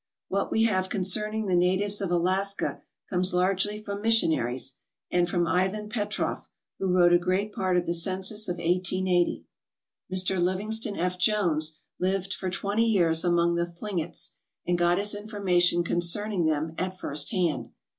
What we have concerning the natives of Alaska comes largely from missionaries, and from Ivan Petroff, who wrote a great part of the census of 1880. Mr. Livingston F. Jones lived for twenty years among the Thlingets and got his information concerning them at first hand.